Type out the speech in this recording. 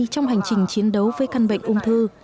trong hành trình chiến đấu với căn bệnh ung thư